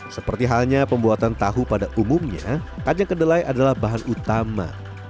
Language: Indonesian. seperti halnya pembuatan tahu pada umumnya kacang kedelai adalah bahan utama